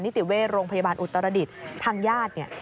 นิติเวศร์โรงพยาบาลอุตรศาสตร์ทางญาติ